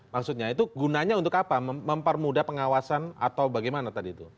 maksudnya itu gunanya untuk apa mempermudah pengawasan atau bagaimana tadi itu